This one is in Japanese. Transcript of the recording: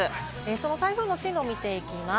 その台風の進路を見ていきます。